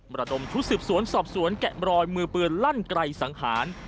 ระดมชุดสืบสวนสอบสวนแกะมรอยมือปืนลั่นไกลสังหาร